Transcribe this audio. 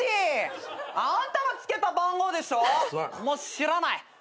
もう知らない。